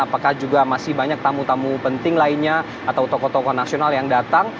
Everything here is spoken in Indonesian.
apakah juga masih banyak tamu tamu penting lainnya atau tokoh tokoh nasional yang datang